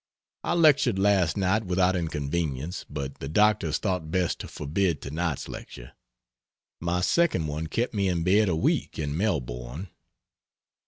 I lectured last night without inconvenience, but the doctors thought best to forbid to night's lecture. My second one kept me in bed a week in Melbourne.